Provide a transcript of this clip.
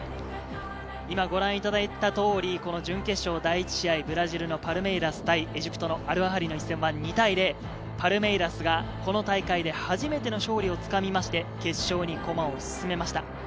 今ご覧いただいた通り、この準決勝第１試合、ブラジルのパルメイラス対エジプトのアルアハリの一戦は２対０、パルメイラスがこの大会で初めての勝利をつかみまして、決勝に駒を進めました。